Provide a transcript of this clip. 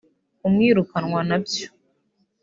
Kumwirukanwa nabyo